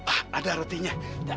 ah ada rotinya